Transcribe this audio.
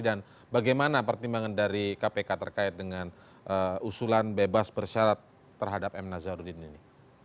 dan bagaimana pertimbangan dari kpk terkait dengan usulan bebas bersyarat terhadap m nazaruddin ini